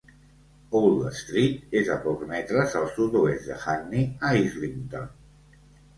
Old Street és a pocs metres al sud-oest de Hackney a Islington.